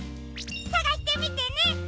さがしてみてね！